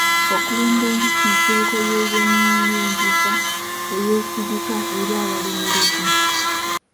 Okulunda enjuki nsibuko y'ebyenyingiza eyesigika eri abalimirunzi.